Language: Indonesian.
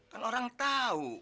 kan orang tau